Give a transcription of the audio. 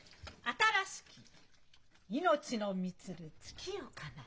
「新しき命の満つる月夜かな」。